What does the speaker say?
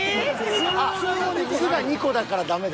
「つ」が２個だからダメだ。